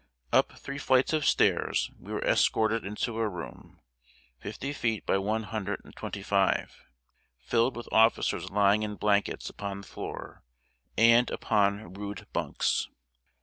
Up three flights of stairs, we were escorted into a room, fifty feet by one hundred and twenty five, filled with officers lying in blankets upon the floor and upon rude bunks.